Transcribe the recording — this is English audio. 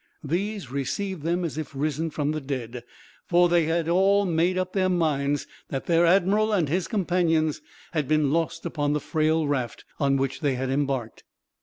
These received them as if risen from the dead, for they had all made up their minds that their admiral, and his companions, had been lost upon the frail raft on which they had embarked.